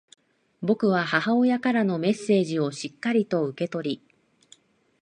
僕は母親からのメッセージをしっかりと受け取り、